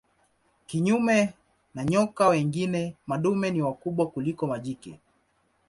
Kinyume na nyoka wengine madume ni wakubwa kuliko majike.